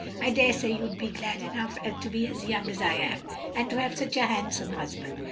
"I dare say you'd be glad enough to be as young as I am, and to have such a handsome husband."